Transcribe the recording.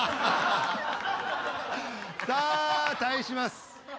さあ対します